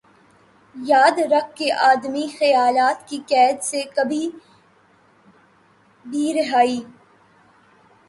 آ۔ یاد رکھ کہ آدمی خیالات کی قید سے کبھی بھی رہائ